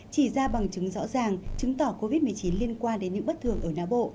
chỉ ra bằng chứng rõ ràng chứng tỏ covid một mươi chín liên quan đến những bất thường ở nam bộ